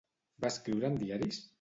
Va escriure en diaris?